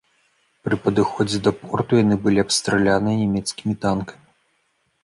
Пры падыходзе да порту, яны былі абстраляныя нямецкімі танкамі.